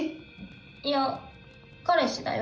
いや彼氏だよ。